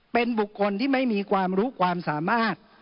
เป็นบุคคลที่ไม่มีความรู้ความสามารถ